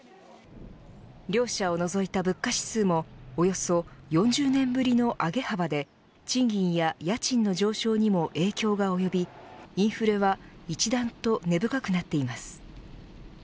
両者を除いた物価指数もおよそ４０年ぶりの上げ幅で賃金や家賃の上昇にも影響が及び、インフレは一段と根深くなっています。